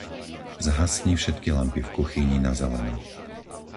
Zhasni všetky lampy v kuchyni na zeleno.